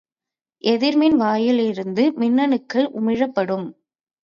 எதிர்மின் வாயிலிருந்து மின்னணுக்கள் உமிழப்படும்.